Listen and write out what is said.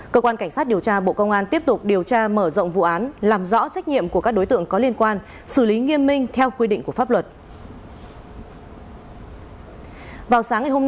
cơ quan cảnh sát điều tra bộ công an tiếp tục điều tra mở rộng vụ án làm rõ trách nhiệm của các đối tượng có liên quan xử lý nghiêm minh theo quy định của pháp luật